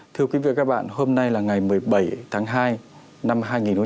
thưa quý vị các bạn hôm nay là ngày một mươi bảy tháng hai năm hai nghìn một mươi chín